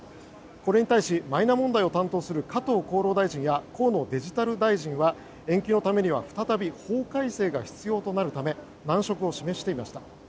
これに対し、マイナ問題を担当する加藤厚労大臣や河野デジタル大臣は延期のためには再び法改正が必要となるため難色を示していました。